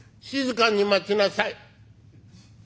「静かに待ちなさい」。